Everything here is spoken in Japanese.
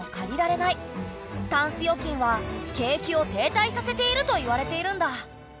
タンス預金は景気を停滞させているといわれているんだ。